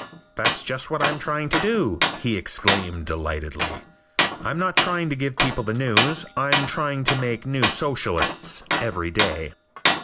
"That's just what I'm trying to do," he exclaimed delightedly. "I'm not trying to give the people the news. I'm trying to make new Socialists every day."